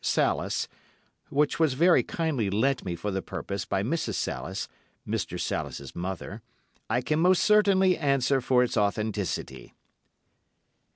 Salis, which was very kindly lent me for the purpose by Mrs. Salis (Mr. Salis's mother), I can most certainly answer for its authenticity.